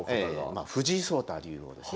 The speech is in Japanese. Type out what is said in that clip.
まあ藤井聡太竜王ですね。